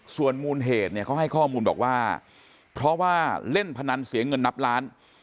ส่วนมูลเหตุเนี่ยเขาให้ข้อมูลบอกว่าเพราะว่าเล่นพนันเสียเงินนับล้าน